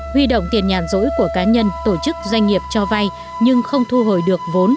huy động tiền nhàn rỗi của cá nhân tổ chức doanh nghiệp cho vay nhưng không thu hồi được vốn